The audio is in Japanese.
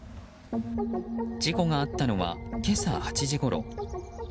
事故があったのは今朝８時ごろ。